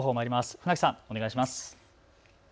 船木さんお願いします。